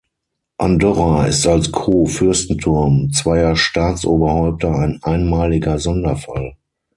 Andorra ist als Co-Fürstentum zweier Staatsoberhäupter ein einmaliger Sonderfall.